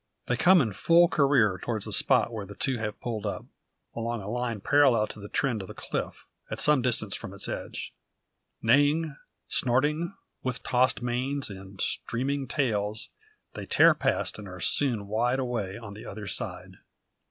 They come in full career towards the spot where the two have pulled up along a line parallel to the trend of the cliff, at some distance from its edge. Neighing, snorting, with tossed manes, and streaming tails, they tear past, and are soon wide away on the other side.